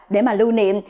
để mà lưu niệm